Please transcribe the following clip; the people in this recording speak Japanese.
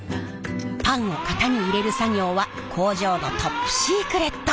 パンを型に入れる作業は工場のトップシークレット！